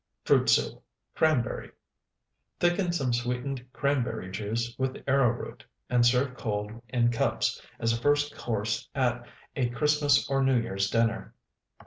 FRUIT SOUP (CRANBERRY) Thicken some sweetened cranberry juice with arrowroot, and serve cold in cups, as a first course at a Christmas or New Year's dinner.